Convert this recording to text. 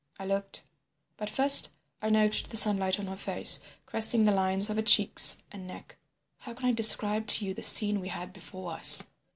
I looked. But first I noted the sunlight on her face caressing the lines of her cheeks and neck. How can I describe to you the scene we had before us?